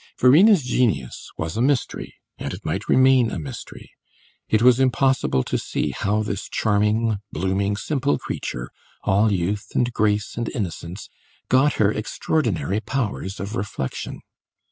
Verena's genius was a mystery, and it might remain a mystery; it was impossible to see how this charming, blooming, simple creature, all youth and grace and innocence, got her extraordinary powers of reflexion.